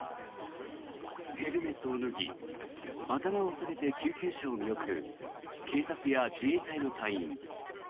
ヘルメットを脱ぎ頭を下げて救急車を見送る警察や自衛隊の隊員。